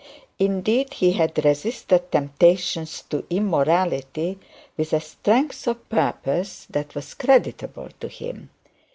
Indeed, he had resisted temptations to immorality with a strength of purpose that was creditable to him.